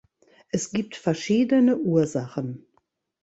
Es gibt verschiedene Ursachen.